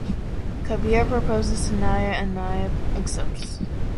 Kabir proposes to Niya and Niya accepts.